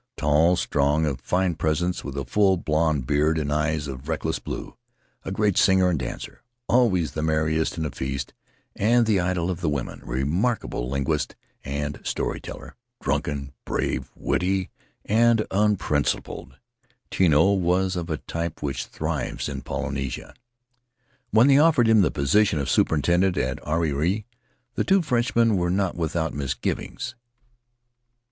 Tall, strong, and of fine presence, with a full blond beard and eyes of reckless blue, a great singer and dancer — always the merriest at a feast and the idol of the women, a remarkable lin guist and story teller, drunken, brave, witty, and unprincipled — Tino was of a type which thrives in Polynesia. When they offered him the position of superintendent at Ariri the two Frenchmen were not without mis givings.